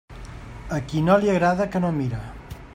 A qui no li agrade, que no mire.